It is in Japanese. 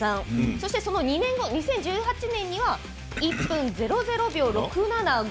そして２年後、２０１８年には１分００秒６７５。